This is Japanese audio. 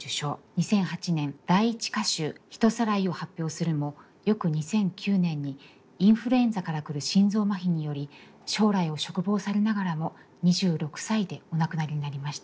２００８年第一歌集「ひとさらい」を発表するも翌２００９年にインフルエンザから来る心臓麻痺により将来を嘱望されながらも２６歳でお亡くなりになりました。